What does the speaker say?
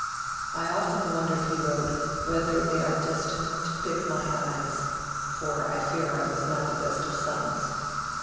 'I often wonder,' he wrote, 'whether they are destined to pick my eyes, for I fear I was not the best of sons.'